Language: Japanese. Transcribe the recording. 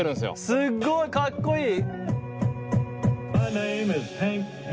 すごい！かっこいい！